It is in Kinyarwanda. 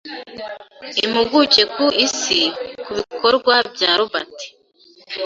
impuguke ku isi ku bikorwa bya Robert